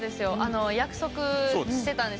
約束してたんですよ。